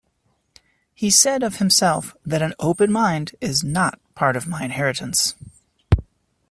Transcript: He said of himself that "an open mind is not part of my inheritance.